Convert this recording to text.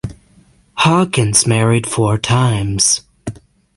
Hawkins married four times.